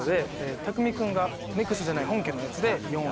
拓実君が「ＮＥＸＴ」じゃない本家のやつで４位。